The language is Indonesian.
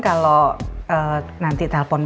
kalau nanti telpon beritahu